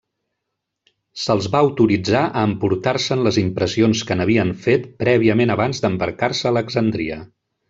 Se'ls va autoritzar a emportar-se'n les impressions que n'havien fet prèviament abans d'embarcar-se a Alexandria.